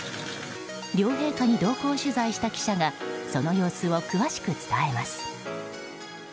両陛下に同行取材した記者がその様子を詳しく伝えます。